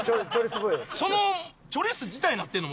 そのチョリス自体になってるの？